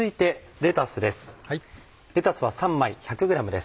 レタスは３枚１００ｇです。